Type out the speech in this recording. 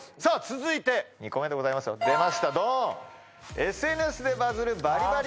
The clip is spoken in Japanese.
続いて２個目でございますよ出ました